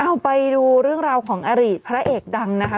เอาไปดูเรื่องราวของอดีตพระเอกดังนะคะ